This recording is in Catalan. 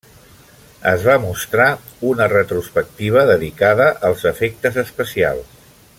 Es va mostrar una retrospectiva dedicada als efectes especials.